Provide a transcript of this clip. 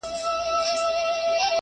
استاد د مونوګراف موضوع تایید کړه.